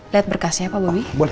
lihat berkasnya pak bobby